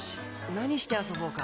何して遊ぼうか。